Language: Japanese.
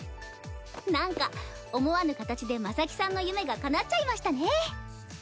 なんか思わぬ形で真咲さんの夢がかなっちゃいましたね。